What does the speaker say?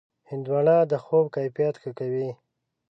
هندوانه د خوب کیفیت ښه کوي.